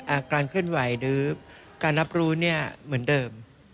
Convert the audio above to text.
การเคลื่อนไหวหรือการรับรู้เนี่ยเหมือนเดิม